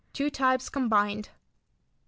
Two types combined. No.